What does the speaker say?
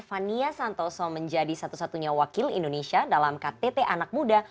fania santoso menjadi satu satunya wakil indonesia dalam ktt anak muda